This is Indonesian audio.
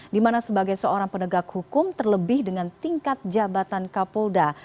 dimana sebagai seorang penegak hukum terlebih dengan tingkat jabatan kapolda